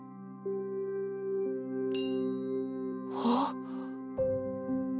あっ！